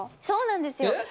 そうなんですよ。